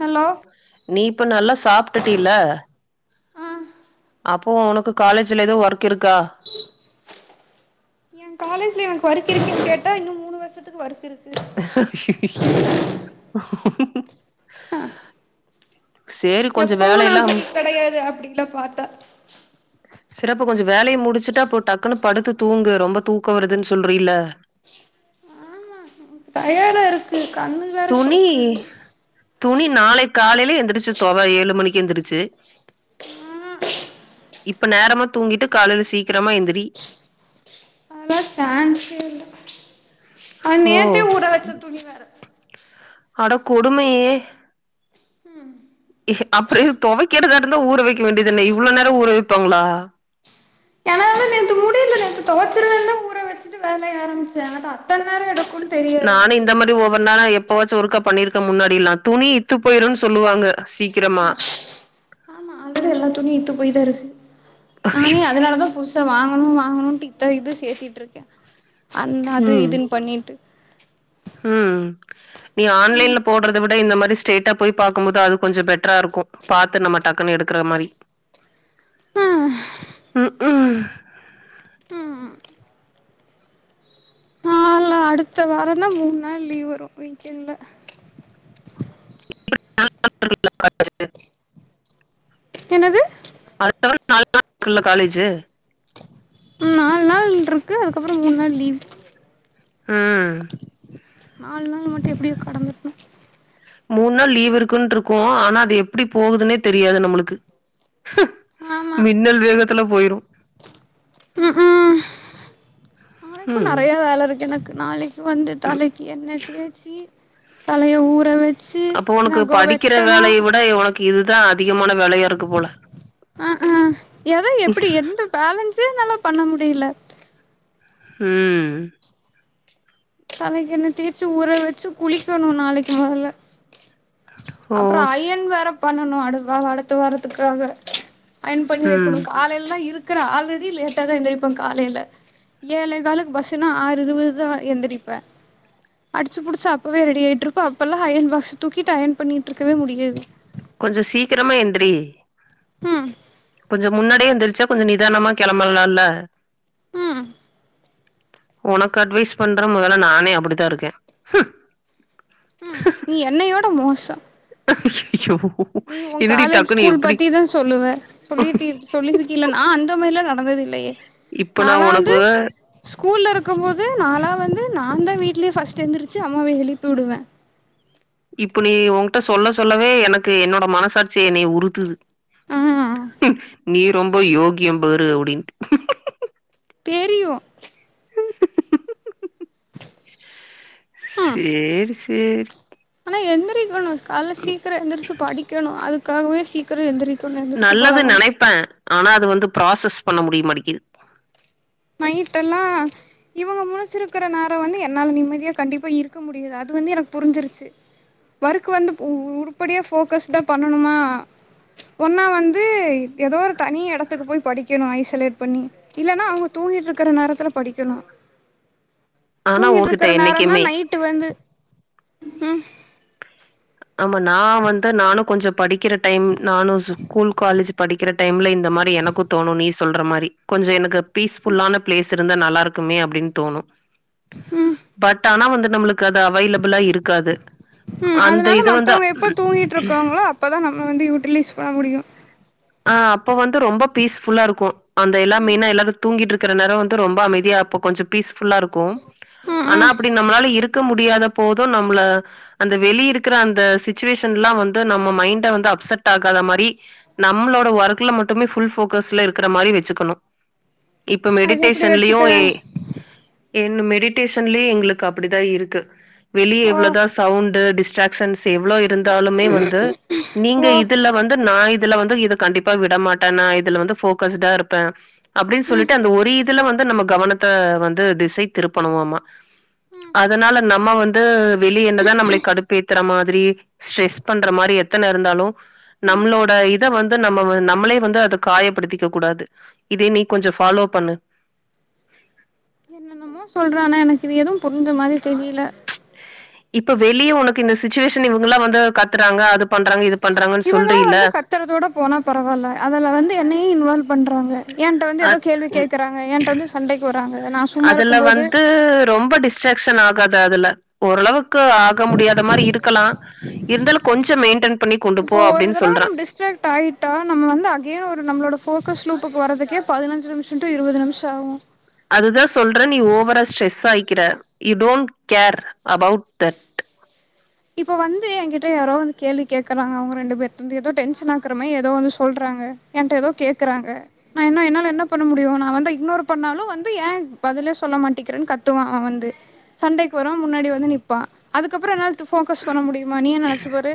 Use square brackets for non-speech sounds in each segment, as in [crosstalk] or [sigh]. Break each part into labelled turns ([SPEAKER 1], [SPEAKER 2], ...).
[SPEAKER 1] Hello
[SPEAKER 2] நீ இப்ப நல்லா சாப்ட்டுட்டில்ல
[SPEAKER 1] ஆ
[SPEAKER 2] அப்போ உனக்கு காலேஜ்ல ஏதோ ஒர்க் இருக்கா
[SPEAKER 1] எ காலேஜ்ல எனக்கு வொர்க் இருக்கன்னு கேட்டா இன்னு மூணு வருஷத்துக்கு வொர்க் இருக்
[SPEAKER 2] [inaudible] ம்
[SPEAKER 1] அ
[SPEAKER 2] சேரி கொஞ்சோ
[SPEAKER 1] எப்பவு நா
[SPEAKER 2] வேலையெல்லாம்
[SPEAKER 1] [unintelligible] கிடையாது அப்டில்லா பாத்தா
[SPEAKER 2] சிறப்ப கொஞ்ச வேலைய முடிச்சுட்டா அப்ப டக்குன்னு படுத்து தூங்கு ரொம்ப தூக்க வருதுன்னு சொல்றீல்ல
[SPEAKER 1] டயடா இருக்கு கண்ணு வேற சொக்குது
[SPEAKER 2] துணி நாளை காலையில எழுந்திரிச்சு தோவ ஏழு மணிக்கு எழுந்திரிச்சு
[SPEAKER 1] ஆ
[SPEAKER 2] இப்ப நேரமா தூங்கிட்டு காலையில சீக்கிரமா எந்திரி
[SPEAKER 1] சான்சே இல்ல அது
[SPEAKER 2] ஓ
[SPEAKER 1] நேத்தே உற வச்ச துணி வேற
[SPEAKER 2] அட கொடுமையே அப்பற எது துவைக்கறதா இருந்தா ஊற வைக்கற வேண்டியதானே இவ்வளவு நேரம் ஊற வைப்பாங்களா
[SPEAKER 1] என்னால நேத்து முடியல நேத்து துவச்சிருவேன்தா ஊற வச்சிட்டு வேலைய ஆரம்பிச்சேன் அது அத்தன நேரோ எடுக்குன்னு தெரியாது
[SPEAKER 2] நானு
[SPEAKER 1] எனக்கு
[SPEAKER 2] இந்த மாரி ஒவ்வொரு நாளா எப்பச்சு ஒர்க பண்ணிருக்க முன்னாடில்லா துணி இத்து போயிரும்னு சொல்லுவாங்க சீக்கிரமா
[SPEAKER 1] போய் தா இருக் நானே அதனாலதா புதுசு வாங்கணு வாங்கணுட்டு இத்த இது சேர்திட்டு இருக்கே அந்த அது இதுன்னு பண்ணிட்டு
[SPEAKER 2] உம் நீ
[SPEAKER 1] ம்
[SPEAKER 2] ஆன்லைன்ல போடுறத வி ட இந்த மாரி ஸ்டைட்டா போய் பாக்கும்போது அது கொஞ்ச பெட்டரா இருக்கு பாத்து நம்ம டக்குனு எடுக்கிற மாரி
[SPEAKER 1] ஆ
[SPEAKER 2] உ உம்
[SPEAKER 1] ம் நாள அடுத்த வார தா மூணு நாள் லீவ் வரு வீக்கெண்ட்ல
[SPEAKER 2] [unintelligible]
[SPEAKER 1] என்னது
[SPEAKER 2] [unintelligible] காலேஜ்ஜூ
[SPEAKER 1] ம் நாலு நாள் இருக்கு அதுக்கப்புற மூண் நாள் லீவ்
[SPEAKER 2] ம்
[SPEAKER 1] நாலு நாள் மட்டு எப்படியோ கடந்துக்கணு
[SPEAKER 2] மூண் நாள் லீவ் இருக்குனு இருக்கோ ஆனா அது எப்டி போகுதுன்னே தெரியாது நம்மளுக்கு
[SPEAKER 1] ஆமா
[SPEAKER 2] மின்னல் வேகத்துல போயிரு
[SPEAKER 1] இப்ப
[SPEAKER 2] ம்
[SPEAKER 1] நெறைய வேல இருக்கு எனக்கு நாளைக்கு து வந்து தலைக்கு என்ன தேச்சி பழய ஊர வை
[SPEAKER 2] அப்போ உனக்கு படிக்கிற வேலய விட உனக் இதுதா அதிகமான வேலயா இருக்கு போல
[SPEAKER 1] ஏதோ எப்படி எந்த பேலன்ஸே என்னாலா பண்ண முடியல
[SPEAKER 2] உம்
[SPEAKER 1] தலைக்கெண்ண தேச்சு ஊற வெச்சு குளிக்கணு நாளைக்கு முதல
[SPEAKER 2] ஓ
[SPEAKER 1] அப்பறம்
[SPEAKER 2] ஸ்
[SPEAKER 1] அயன் வேற பண்ணணு அடுத அடுத்த வரதுக்காக அயன் பண்ணி
[SPEAKER 2] ம்
[SPEAKER 1] வைக்கணு காலைல எலாம் இருக் இருக்க ஆல்ரெடி லேட்டா தா எந்திரப்பே காலையில ஏழே காலுக்கு பஸ்ஸுனா ஆறு இருபது தா எந்திரிப்பே அடிச்சு புடிச்சு அப்பவே ரெடி ஆயட்டு இருப்போ அப்பல்லா அயன் பாக்ஸ் தூக்கிட்டு அயன் பண்ணிட்டு இருக்கவே முடியாது
[SPEAKER 2] கொஞ்ச சீக்கிரமா எந்திரி
[SPEAKER 1] உம்
[SPEAKER 2] கொஞ்ச முன்னாடியே எந்தெரிச்சா கொஞ்ச நிதானமா கிளம்பலா இல்ல
[SPEAKER 1] ம்
[SPEAKER 2] உனக்கு அட்வைஸ் பண்ற முதல்ல நானே அப்டித்தா இருக்கே
[SPEAKER 1] நீ என்னையோடமோ ச
[SPEAKER 2] [unintelligible]
[SPEAKER 1] நீ உன்
[SPEAKER 2] என்னடி
[SPEAKER 1] காலேஜ்
[SPEAKER 2] டக்குனு
[SPEAKER 1] ஸ்கூல்
[SPEAKER 2] எப்டி
[SPEAKER 1] பத்திதான் சொல்லுவே சொல்லுடி சொல்லிருக்கல்ல நா அந்த மாரிலாம் நடந்தது இல்லையே
[SPEAKER 2] இப்ப நா
[SPEAKER 1] நாலா வந்து
[SPEAKER 2] உனக்கு
[SPEAKER 1] ஸ்கூல்ல இரு இருக்கு போது நாளா வந்து நா நாந்தா வீட்லயே ஃபர்ஸ்ட் எந்திருச்சு அம்மாவ எழுப்பி வுடுவே
[SPEAKER 2] இப்புலி ஓங்கிட்ட சொல்ல சொல்லவே எனக்கு என்னோட மனசாட்சி என்னைய உறுத்துது
[SPEAKER 1] ஆ
[SPEAKER 2] நீ ரொம்ப யோக்கியம் பாரு அப்டின்ட்டு
[SPEAKER 1] தெரியு
[SPEAKER 2] [inaudible] சேரி சேரி
[SPEAKER 1] ந எந்திரிக்கணு கால்ல சீக்கிர எந்திரிச்சு படிக்கணு அது க்காகவே சீக்கிர எந்திரி
[SPEAKER 2] நல்லது நெனைப்பே ஆனா அது வந்து ப்ராசஸ் பண்ண முடியமாட்டிக்கிது
[SPEAKER 1] நைட்டெல்லா இவுங்க முழுச்சுருக்குற நேர வந்து என்னால நிம்மதியா கண்டிப்பா இருக்க முடியாது அது வந்து எனக்கு புருஞ்சுருச்சு ஒர்க் வந்து உருப்படியா ஃபோக்கஸ்டா பண்ணணுமா ஒன்னா வந்து எதோ ஒரு தனி எடத்துக்கு போ படிக்கணு ஐ ஸொலேட் பண்ணி இல்லனா அவுங்க தூங்கிட்ருக்குற நேரத்துல படிக்கணு
[SPEAKER 2] ஆனா உன்கிட்ட
[SPEAKER 1] தூங்கிட்ருக்கற நேரன்னா
[SPEAKER 2] என்னைக்குமே
[SPEAKER 1] நைட்டு வந்து ம்
[SPEAKER 2] ஆமா நா வந்து நானு கொஞ்ச படிக் கிற டைம் நானு ஸ்கூல் காலேஜு படி கிற டைம்ல இந்த மாரி எனக்கு தோணு நீ சொல்ற மாரி கொஞ்சொ எனக்கு பீஸ்ஃபுல்லான ப்ளேஸ் இருந்தா நல்லாருக்குமே அப்டின் தோணு
[SPEAKER 1] ம்
[SPEAKER 2] பட் ஆனா வந்துட் நம்ளுக்கு அது அவைலபுளா இருக்காது
[SPEAKER 1] ம்
[SPEAKER 2] அந்த
[SPEAKER 1] அதுனால
[SPEAKER 2] இது வந்து
[SPEAKER 1] மத்தவுங்க எப்ப தூங்கிட்ருக்காங்களோ அப்பதா நம் ம வந்து யூட்டிலைஸ் பண்ண முடியு
[SPEAKER 2] ஆ அப்ப வந்து ரொம்ப பீஸ்ஃபுல்லா இருக்கு அந்த எல்லா
[SPEAKER 1] ம்
[SPEAKER 2] மெயினா எல்லாரு தூங்கிட்ருக் குற நேர வந்து ரொம்ப அமைதியா அப்ப கொஞ்ச பீஸ் ஃபுல்லாருக்கு
[SPEAKER 1] ம்
[SPEAKER 2] ஆனா
[SPEAKER 1] ம்
[SPEAKER 2] அப்டி நம்மளால இருக் க முடியாத போது நம்பள அந்த வெளியருக்குற அந்த சிச்சுவேஷன்ல்லா வந்து நம்ம மைண்ட வந்து அப்செட் ஆக்காத மாரி நம்ளோட ஒர்க்ல மட்டுமே ஃபுல் ஃபோக்கஸ்ல இருக்குற மாரி வச்சுக்கணு இப்ப
[SPEAKER 1] அது எப்டி
[SPEAKER 2] மெடிடேஷன்லயு
[SPEAKER 1] வச்சுக்க
[SPEAKER 2] ஏ என்ன மெடிடேஷன்லயே எங்ளுக்கு அப்டிதா இருக்கு வெளிய
[SPEAKER 1] ஓ
[SPEAKER 2] எவ்ளொதா சவுண்டு டிஸ் ட்ராக்ஸன்ஸ் ஸு எவ்ளொ இருந்தாலுமே வந்து நீங்க
[SPEAKER 1] ஓ
[SPEAKER 2] இதுல வந்து நா இ இதுல வந்து இது கண்டிப்பா விடமாட்டன் நா இதுல வந்து போக்கஸ்டா இருப்பேன் அப்டின்னு
[SPEAKER 1] ம்
[SPEAKER 2] சொல்லிட்டு அந்த ஒரு இது இதுல வந்து நம்ம கவனத்தை வந்து திசை திருப்பனுமாவ
[SPEAKER 1] ம்
[SPEAKER 2] அதனால நம் நம் வந்து வெளிய என்ன தா நம்மள கடுப்பு ஏத்துற மாதிரி ஸ்ட்ரெஸ் பண்ற மாரி எத்தன இருந்தாலும்
[SPEAKER 1] ம்
[SPEAKER 2] நம்மளோட இத வந்து நம்ம நம்மளே வந்து அத காயப்படுத்திக்க கூடாது இத நீ கொஞ்சம் ஃபாலோ பண்ணு
[SPEAKER 1] என்னன்னமோ சொல்றானா எனக்கு இது எதுவும் புரிஞ்ச மாதிரி தெரில
[SPEAKER 2] இப்ப வெளிய உனக்கு இந்த சுச்சுவேஷன் இவங்களாம் வந்து கத்துறாங்க அது பண்றாங்க, இது பண்றாங்கன்னு
[SPEAKER 1] இவங்களா
[SPEAKER 2] சொல்றீல.
[SPEAKER 1] வந்து கத்துறதோட போனா பரவாயில்ல அதுல வந்து என்னையும் இன்வால்வ் பண்றாங்க என்ட்ட வந்து ஏதோ
[SPEAKER 2] அத்
[SPEAKER 1] கேள்வி கேட்கறாங்க என்கிட்ட வந்து சண்டைக்கு வராங்க நா சும்மா
[SPEAKER 2] அதுல
[SPEAKER 1] இருக்கும்போது
[SPEAKER 2] கத அதுல ஓரளவு க்கு ஆக முடியாத மாரி இருக்கலா இருந்தாலும் கொஞ்சோ மெயின்டென் பண்ணி கொண்டு போ
[SPEAKER 1] இப்போ ஒரு
[SPEAKER 2] அப்டின்னு
[SPEAKER 1] தடவ
[SPEAKER 2] சொல்றன்
[SPEAKER 1] நம்ம டிஸ்ட்ராக்ட் ஆயிட்டா இப்ப வரதுக்கு பதினஞ்சு நிமிஷம் டு இருபது நிமிஷம் ஆகும்
[SPEAKER 2] அதுதான் சொல்றன் நீ ஓவரா ஸ்ட்ரெஸ் ஆயிக்கிற you don't care about that
[SPEAKER 1] இப்ப வந்து என்கிட்ட யாரோ வந்து கேள்வி கேக்குறாங்க அவங்க ரெண்டு பேரு இருந்து ஏதோ டென்ஷன் ஆக்குற மாரி ஏதோ வந்து சொல்றாங்க என்கிட்ட ஏதோ கேக்குறாங்க நா என்ன என்னால என்ன பண்ண முடியும் நா வந்து இக்னோர் பண்ணாலும் வந்து ஏன் பதிலே சொல்ல மாட்டிக்கிறேன்னு கத்துவான் அவன் வந்து சண்டைக்கு வரன் முன்னாடி வந்து நிப்பா அதுக்கப்றோ என் போக்கஸ் பண்ண முடியுமா நீயே நெனச்சுப்பாரு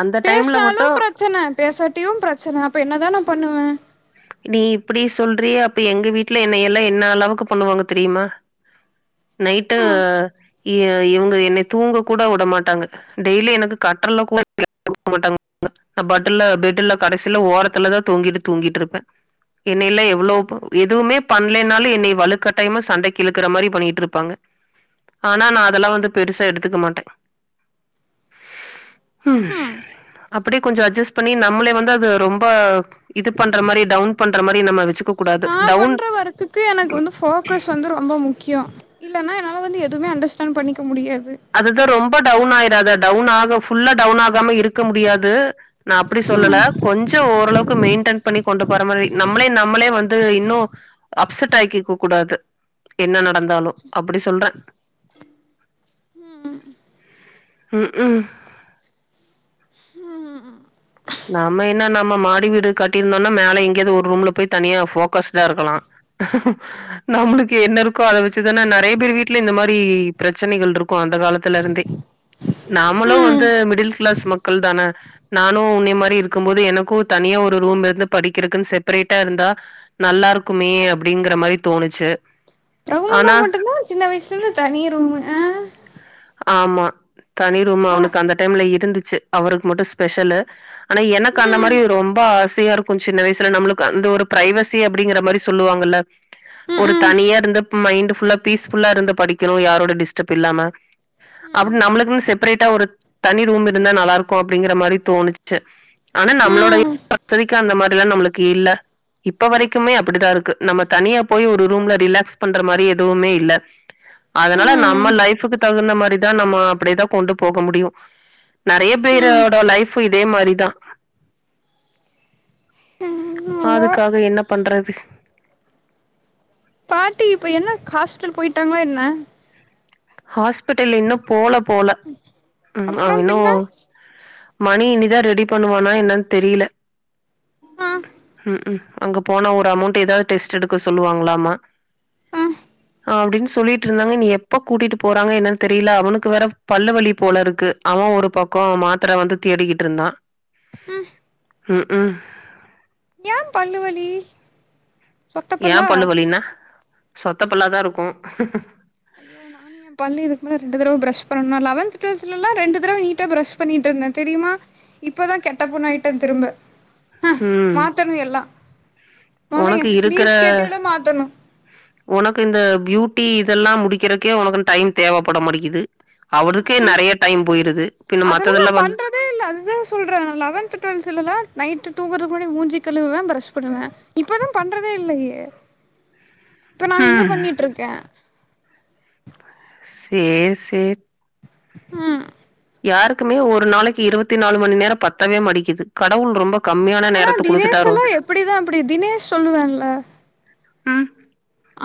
[SPEAKER 2] அந்த டைம்ல மட்டு
[SPEAKER 1] பேசினாலும் பிரச்சன பேசட்டு டியும் பிரச்சன அப்ப என்ன தா நா பண்ணுவேன்
[SPEAKER 2] நீ இப்டி சொல்றியே அப்ப எங்க வீட்ல என்ன எல்லா என்ன அளவுக்கு பண்ணுவாங்க தெரியுமா நைட்டு
[SPEAKER 1] ம்
[SPEAKER 2] இவங்க என்ன தூங்க கூட வுட மாட்டாங்க டெய்லி என்ன கட்டில்ல கூட [unintelligible] மாட்டாங்க நா பட்டல பெட்டல கடைசியில ஓரத்துல தா தூங்கிட்டு தூங்கிட்டு இருப்பேன் என்னைல்லா எவ்ளோ எதுவுமே பண்ணலைனாலும் என்னைய வலுக்கட்டாயமா சண்டைக்கு இழுக்குற மாரி பண்ணிட்டு இருப்பாங்க ஆனா நா அதெல்லா வந்து பெருசா எடுத்துக்க மாட்டேன் ம் அப்டியே கொஞ்சோ அட்ஜஸ் பண்ணி நம்மளே வந்து அது ரொம்ப இது பண்ற மாரி டவுன் பண்ற மாரி நம்ம வச்சுக்க கூடாது
[SPEAKER 1] நா
[SPEAKER 2] டவுன்
[SPEAKER 1] பண்ற ஒர்க்குக்கு எனக்கு வந்து போக்கஸ் வந்து ரொம்ப முக்கியம் இல்லனா என்னால வந்து எதுவுமே அண்டர்ஸ்டாண்ட் பண்ணிக்க முடியா
[SPEAKER 2] அது தர்றோ ரொம்ப டவுன் ஆயிராத டவுன் ஆக ஃபுல்லா டவுன் ஆகாம இருக்க முடியாது நா அப்டி சொல்லல
[SPEAKER 1] ம்
[SPEAKER 2] கொஞ்சம் ஓரளவுக்கு மெயின்டென் பண்ணி கொண்டு போற மாரி நம்மளே நம்மளே வந்து இன்னும் அப்செட் ஆக்கிக்க கூடாது என்ன நடந்தாலும் அப்டி சொல்றேன்
[SPEAKER 1] ம்
[SPEAKER 2] ம் ம்
[SPEAKER 1] ம்
[SPEAKER 2] நம்ம என்னா நம்ம மாடி வீடு காட்டியிருந்தோம்னா மேல எங்கயாவது ஒரு ரூம்ல போய் தனியா போக்கஸ்டா இருக்கலாம் நம்மளுக்கு என்ன இருக்கோ அத வச்சுதானே நெறைய பேர் வீட்டுல இந்த மாரி பிரச்சனைகள் இருக்கும் அந்த காலத்துல இருந்தே நாமளோ வந்து
[SPEAKER 1] ம்
[SPEAKER 2] மிடில் கிளாஸ் மக்கள் தானே நானும் உன்னைய மாரி இருக்கும்போது எனக்கும் தனியா ஒரு ரூம் இருந்து படிக்கிறதுக்குன்னு செப்ரேட்டா இருந்தா நல்லா இருக்குமே அப்டிங்கிற மாரி தோணுச்சு ஆனா
[SPEAKER 1] [unintelligible] மட்டும் தா சின்ன வயசுல இருந்து தனி ரூம்மு
[SPEAKER 2] ஆமா தனி ரூம்
[SPEAKER 1] பா
[SPEAKER 2] அவனுக்கு அந்த டைம்ல இருந்துச்சு அவருக்கு மட்டும் ஸ்பெஷலு ஆனா எனக்கு அந்த
[SPEAKER 1] ம்
[SPEAKER 2] மாரி ரொம்ப ஆசையா இருக்கும் சின்ன வயசுல நம்மளுக்கு அந்த ஒரு பிரைவசி அப்டிங்கிற மாரி சொல்லுவாங்கல்ல
[SPEAKER 1] ம்
[SPEAKER 2] ஒரு
[SPEAKER 1] ம்
[SPEAKER 2] தனியா இருந்து மைண்ட் ஃபுல்லா பீஸ்ஃபுல்லா இருந்து படிக்கனும் யாரோட டிஸ்டர்பன்ஸ் இல்லாம அப்டி
[SPEAKER 1] ம்
[SPEAKER 2] நம்மளுக்குன்னு செப்பரேட்டா ஒரு தனி ரூம் இருந்தா நல்லா இருக்கும் அப்டிங்கிற மாரி தோணுச்சு ஆனா நம்மளோட வசதிக்கு அந்த மாதிரி எல்லா நம்மளுக்கு இல்ல இப்ப வரைக்குமே அப்டிதான் இருக்கு நம்ம தனியா போய் ஒரு ரூம்ல ரிலாக்ஸ் பண்ற மாதிரி எதுவுமே இல்ல அதனால நம்ம
[SPEAKER 1] ம்
[SPEAKER 2] லைப்புக்கு தகுந்த மா அப்டிதான் நம்ம அப்டி தா கொண்டு போக முடியும் நெறைய
[SPEAKER 1] ம்
[SPEAKER 2] பேரோட லைஃப் பு இதே மாரிதான்
[SPEAKER 1] என்னவோ
[SPEAKER 2] அதுக்காக என்ன பண்ற [inaudible]
[SPEAKER 1] பாட்டி இப்ப என்ன ஹாஸ்பிட்டல் போயிட்டாங்கள என்ன
[SPEAKER 2] ஹாஸ்பிட்டல் இன்னு போல போல உம்
[SPEAKER 1] அப்புறோ
[SPEAKER 2] அவ இன்னு
[SPEAKER 1] பின்ன
[SPEAKER 2] மணி இன்னிதான் ரெடி பண்ணுவானா என்னன்னு தெரியல
[SPEAKER 1] ஆ
[SPEAKER 2] ம் ம் அங்க போன ஒரு அமௌன்டு எதாவது டெஸ்ட் எடுக்க சொல்லுவாங்குலமா
[SPEAKER 1] ஆ
[SPEAKER 2] அப்டினு சொல்லிட்டு இருந்தாங்க இனி எப்போ கூட்டிட்டு போறங்க என்னனு தெரியல அவனுக்கு வேற பல்லுவலி போல இருக்கு அவ ஒரு பக்கோ மாத்திர வந்து தேடிக்கிட்டு இருந்தா
[SPEAKER 1] ம்
[SPEAKER 2] உம் உம்
[SPEAKER 1] ஏ பல்லு வலி சொத்த
[SPEAKER 2] ஏ
[SPEAKER 1] பல்லா
[SPEAKER 2] பல்லு வலீனா சொத்த பல்லாதா இருக்கு
[SPEAKER 1] ஐயோ நானு என் பல்லு இதுக்கு மேல ரெண்டு தடவை பிரஷ் பண்ணு நா லெவன்த் டுவெல்த் எல்லா ரெண்டு தடவை நீட்டா ப்ரஷ் பண்ணிட்டு இருந்தோ தெரியுமா இப்பதான் கெட்ட பொண்ணு ஆயிட்டே திரும்ப அ
[SPEAKER 2] ம்.
[SPEAKER 1] மாத்தர எல்லா நாலா
[SPEAKER 2] உனக்கு
[SPEAKER 1] என்
[SPEAKER 2] இருக்கற
[SPEAKER 1] ஸ்லீப் ஸ்கெட்யூலே மாத்தணு
[SPEAKER 2] உனக்கு இந்த பியூட் ட்டி இதெல்லா முடிக்கிறதுக்கே உனக்கு டைம் தேவப்பட மாட்டிக்குது
[SPEAKER 1] அ அ அதெல்லாம நா
[SPEAKER 2] மத்ததெல்லாம் வந்து
[SPEAKER 1] பண்றதே இல்ல அதுதான் சொல்றே லெவன்த் டுவ்த்லலா நைட் தூங்கறது முன்னாடி மூஞ்சி கழுவுவே பிரஷ் பண்ணுவ இப்பதா பண்றதே இல்லையே இப்ப நா எங்க
[SPEAKER 2] ம்.
[SPEAKER 1] பண்ணிட்டு இருக்கே
[SPEAKER 2] செரி செரி
[SPEAKER 1] ஆ
[SPEAKER 2] யாருக்குமே ஒரு நாளைக்கு இருபத்தி நாலு மணி நேரம் பத்தவே மடிக்குது கடவுள் ரொம்ப கம்மியான
[SPEAKER 1] ஆனா
[SPEAKER 2] நேரத்த
[SPEAKER 1] தினேஷ்
[SPEAKER 2] குடுத்துட்டாரோ?
[SPEAKER 1] எல்லா எப்படிதா அப்படி தினேஷ் சொல்லுவேல்ல
[SPEAKER 2] ஆ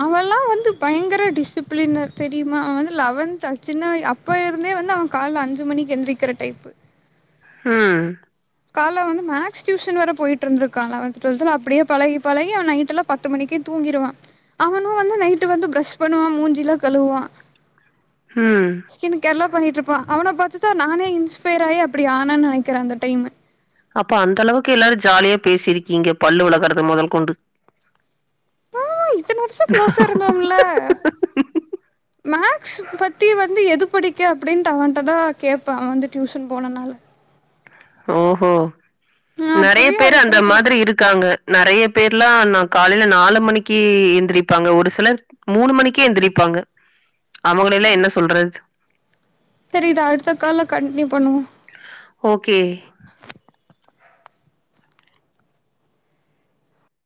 [SPEAKER 1] அவல்லா வந்து பயங்கர டிசிப்ளினு தெரியுமா அவன் வந்து லெவன்த் அச்சின்ன அப்ப இருந்தே வந்து அவன் கால்ல அஞ்சு மணிக்கு எந்திரிக்கிற டைப்பு
[SPEAKER 2] ம்
[SPEAKER 1] காலைல வந்து மேக்ஸ் டியூஷன் வேற போயிட்டு இருந்துருக்கான் லெவன்த் டுவெல்த்ல அப்படியே பழகி பழகி அவ நைட் எல்லா பத்து மணிக்கே தூங்கிடுவா அவனு வந்து நைட்டு வந்து ப்ரஷ் பண்ணுவான் மூஞ்சிலாம் கழுவா
[SPEAKER 2] ம்.
[SPEAKER 1] எனக்கெல்லாம் பண்ணிட்டு இருப்பா அவன பாத்துதா நானே இன்ஸ்பயர் ஆயி அப்படி ஆனனு நினைக்கிறே அந்த டைம்மு
[SPEAKER 2] அப்ப அந்த அளவுக்கு எல்லாரு ஜாலியா பேசிருக்கீங்க பல்லு விளக்குறது முதல் கொண்டு
[SPEAKER 1] ஆ இத்தன வருஷம் க்ளோஸா இருந்தோம்ல மேக்ஸ் பத்தி வந்து எது படிக்க அப்படின்ட்டு அவன்ட்ட தான் கேட்பேன் வந்து டியூசன் போனனால
[SPEAKER 2] ஓ ஓ
[SPEAKER 1] ஆ
[SPEAKER 2] நெறைய
[SPEAKER 1] அப்புறே
[SPEAKER 2] பேர் அந்த
[SPEAKER 1] அதுக்கப்புறம் பேச
[SPEAKER 2] மாதிரி இருக்காங்க நெறைய பேர்லா நா காலேஜ் நாலு மணிக்கு எந்திரிப்பாங்க ஒரு சிலர் மூணு மணிக்கு எந்திரிப்பாங்க அவங்களயெல்லா என்ன சொல்றது
[SPEAKER 1] சேரி இத அடுத்தக்கால்ல கண்டனியூ பண்ணுவே
[SPEAKER 2] ஓகே